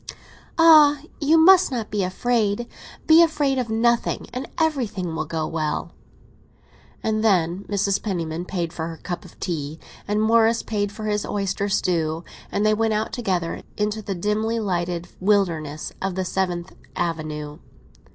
"Ah! you must not be afraid. Be afraid of nothing, and everything will go well!" And then Mrs. Penniman paid for her cup of tea, and Morris paid for his oyster stew, and they went out together into the dimly lighted wilderness of the Seventh Avenue.